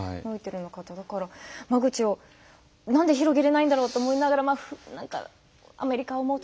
だから間口をなんで広げれないんだろうって思いながら何かアメリカ思うと不正多いしとか。